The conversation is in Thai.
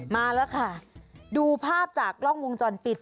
มาแล้วค่ะดูภาพจากกล้องวงจรปิด